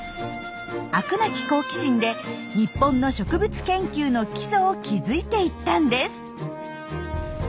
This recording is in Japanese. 飽くなき好奇心で日本の植物研究の基礎を築いていったんです。